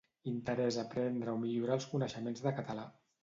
Interès a aprendre o millorar els coneixements de català.